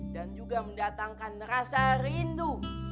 dan juga mendatangkan rasa rindu